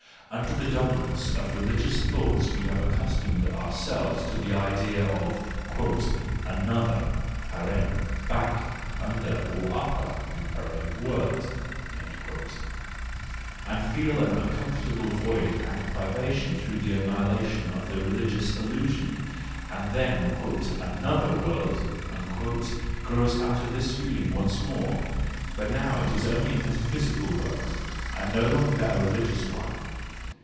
Under the dominance of religious thoughts we have accustomed ourselves to the idea of " another (back, under, or upper) world," and feel an uncomfortable void and privation through the annihilation of the religious illusion;—and then "another world" grows out of this feeling once more, but now it is only a metaphysical world, and no longer a religious one.